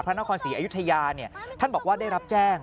พระนครศรีอยุธยาท่านบอกว่าได้รับแจ้ง